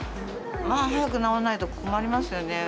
早く直らないと困りますよね。